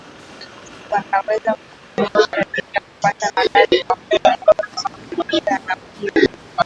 wanaweza kuishi bila kupata maradhi makubwa yanayosababishwa na ukimwi